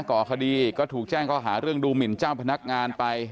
ก่อคดีถูกแจ้งข้อหาร่วมดูหมิ่นเจ้าพนักงานไป